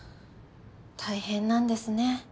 大変なんですね